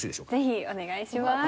ぜひお願いします。